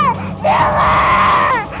siapa perempuan itu